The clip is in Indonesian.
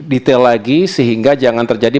detail lagi sehingga jangan terjadi